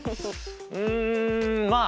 うんまあ